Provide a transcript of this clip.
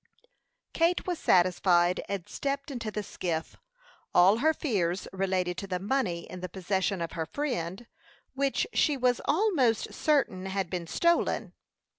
Kate was satisfied, and stepped into the skiff. All her fears related to the money in the possession of her friend, which, she was almost certain, had been stolen.